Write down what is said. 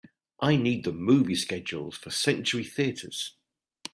I need the movie schedules for Century Theatres